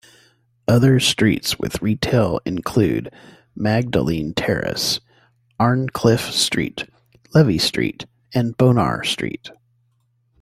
Other streets with retail include Magdalene Terrace, Arncliffe Street, Levey Street and Bonar Street.